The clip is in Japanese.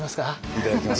いただきます。